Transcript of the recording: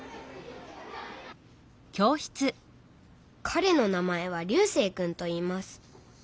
かれの名前は流星君といいます。